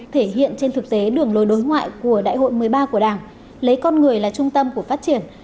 thể hiện trên thực tế đường lối đối ngoại của đại hội một mươi ba của đảng lấy con người là trung tâm của phát triển